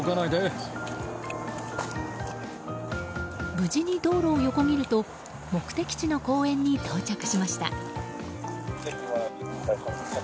無事に道路を横切ると目的地の公園に到着しました。